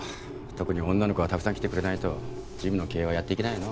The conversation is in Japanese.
特に女の子がたくさん来てくれないとジムの経営はやっていけないの。